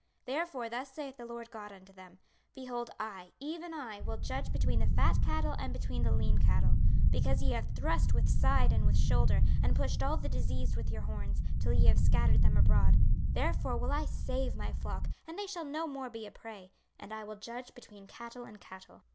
26:034:020 Therefore thus saith the Lord GOD unto them; Behold, I, even I, will judge between the fat cattle and between the lean cattle. 26:034:021 Because ye have thrust with side and with shoulder, and pushed all the diseased with your horns, till ye have scattered them abroad; 26:034:022 Therefore will I save my flock, and they shall no more be a prey; and I will judge between cattle and cattle.